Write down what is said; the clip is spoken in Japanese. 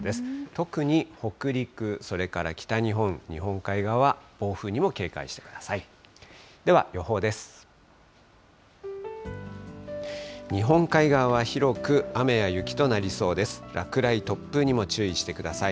特に北陸、それから北日本、日本海側、暴風にも警戒してください。